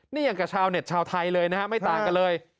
นี่อย่างกับชาวเน็ตชาวไทยเลยนะฮะไม่ต่างกันเลย